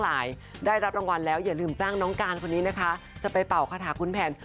รถยนต์ป้ายแดงอีก๒คัน